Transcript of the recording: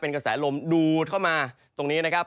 กระแสลมดูดเข้ามาตรงนี้นะครับ